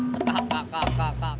cekak cekak cekak